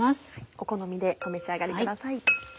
お好みでお召し上がりください。